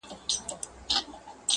یو بوډا چي وو څښتن د کړوسیانو.!